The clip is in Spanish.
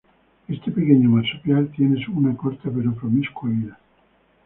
Este pequeño marsupial tiene una corta pero promiscua vida.